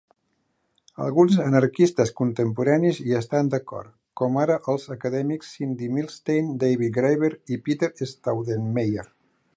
Alguns anarquistes contemporanis hi estan d'acord, com ara els acadèmics Cindy Milstein, David Graeber i Peter Staudenmeier.